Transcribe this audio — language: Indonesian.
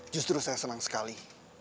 justru saya senang sekali